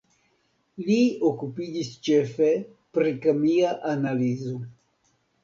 Li okupiĝis ĉefe pri kemia analizo.